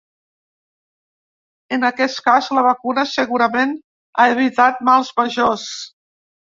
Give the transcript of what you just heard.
En aquest cas, la vacuna segurament ha evitat mals majors.